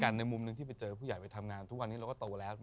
ในมุมหนึ่งที่ไปเจอผู้ใหญ่ไปทำงานทุกวันนี้เราก็โตแล้ว